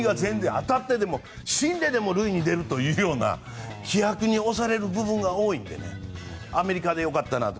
当たってでも死んででも塁に出るという気迫に押される部分が多いのでアメリカでよかったなと。